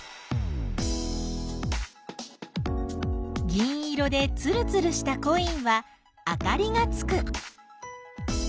銀色でつるつるしたコインはあかりがつく。